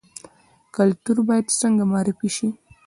کلتور باید څنګه معرفي شي؟